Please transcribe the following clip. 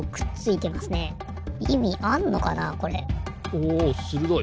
おするどい！